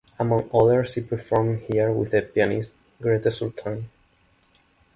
Among others she performed here with the pianist Grete Sultan.